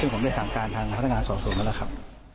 ซึ่งผมได้สั่งการทางพนักงานสอบสวนมาแล้วครับ